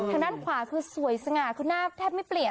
ทางด้านขวาคือสวยสง่าคือหน้าแทบไม่เปลี่ยน